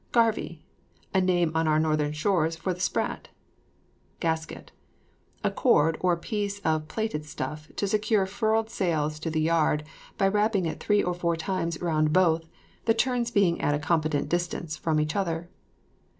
GARVIE. A name on our northern shores for the sprat. GASKET. A cord, or piece of plaited stuff, to secure furled sails to the yard, by wrapping it three or four times round both, the turns being at a competent distance from each other.